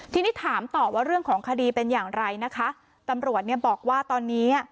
ทีนี้ถามต่อว่าเรื่องของคดีเป็นอย่างไรนะคะตำรวจเนี่ยบอกว่าตอนนี้อ่ะ